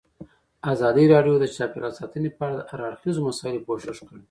ازادي راډیو د چاپیریال ساتنه په اړه د هر اړخیزو مسایلو پوښښ کړی.